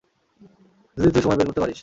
যদি তুই সময় বের করতে পারিস।